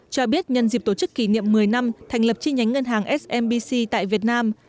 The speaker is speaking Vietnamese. cho biết nhân dịp tổ chức kỷ niệm một mươi năm thành lập chi nhánh ngân hàng smbc tại việt nam